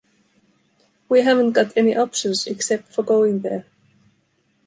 We haven’t got any options except for going there.